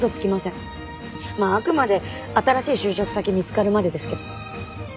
まああくまで新しい就職先見つかるまでですけど。